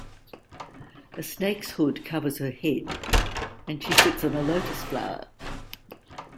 A snakes hood covers her head, and she sits on a lotus flower.